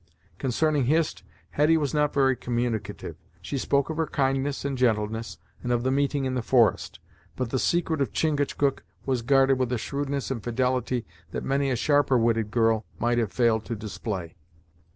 Concerning Hist, Hetty was not very communicative. She spoke of her kindness and gentleness and of the meeting in the forest; but the secret of Chingachgook was guarded with a shrewdness and fidelity that many a sharper witted girl might have failed to display.